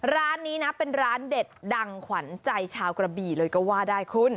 ร้านนี้นะเป็นร้านเด็ดดังขวัญใจชาวกระบี่เลยก็ว่าได้คุณ